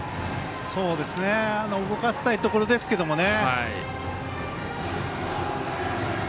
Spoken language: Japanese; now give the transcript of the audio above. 動かしたいところですけどね。